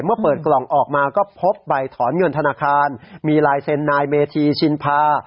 เมื่อเปิดกล่องออกมาก็พบใบถอนเงินธนาคารมีลายเซ็นนายเมธีชินพา